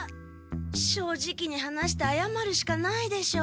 正直に話してあやまるしかないでしょう。